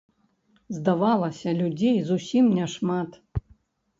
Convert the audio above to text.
Здавалася, людзей зусім няшмат.